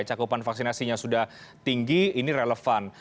cakupan vaksinasinya sudah tinggi ini relevan